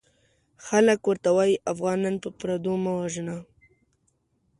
خلک ورته وايي افغانان په پردو مه وژنه!